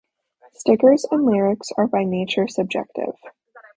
Stickers and lyrics are by nature subjective.